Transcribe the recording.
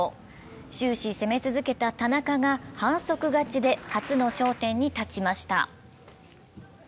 終始攻め続けた田中が反則勝ちで初の頂点に立ちました。